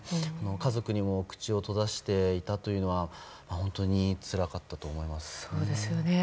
家族にも口を閉ざしていたというのは本当につらかったと思います。